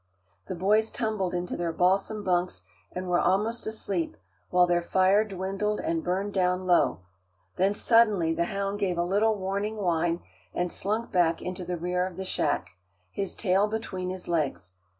The boys tumbled into their balsam bunks and were almost asleep, while their fire dwindled and burned down low. Then suddenly the hound gave a little warning whine, and slunk back into the rear of the shack, his tail between his legs.